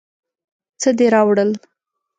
څه دې راوړل؟